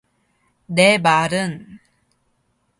내 말은.